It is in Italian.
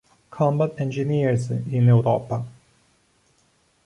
Combat Engineers in Europa.